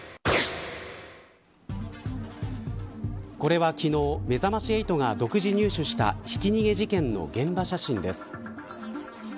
これは昨日めざまし８が独自入手したひき逃げ事件の現場写真です。